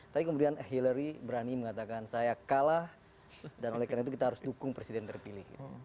tapi kemudian hillary berani mengatakan saya kalah dan oleh karena itu kita harus dukung presiden terpilih